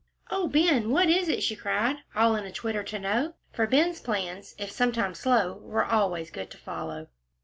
"Oh, Ben, what is it?" she cried, all in a twitter to know, for Ben's plans, if sometimes slow, were always so good to follow.